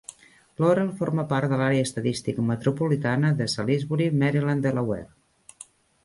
Laurel forma part de l'àrea estadística metropolitana de Salisbury, Maryland-Delaware.